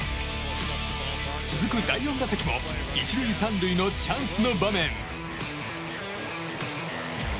続く第４打席も１塁３塁のチャンスの場面。